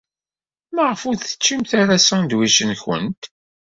Maɣef ur teččimt ara asandwič-nwent?